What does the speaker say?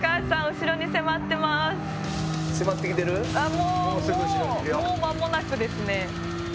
もう間もなくですね。